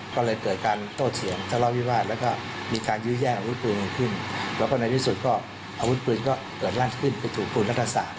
ก็เลยเกิดการโต้เถียงทะเลาะวิวาสแล้วก็มีการยื้อแย่งอาวุธปืนขึ้นแล้วก็ในที่สุดก็อาวุธปืนก็เกิดลั่นขึ้นไปถูกปืนรัฐศาสต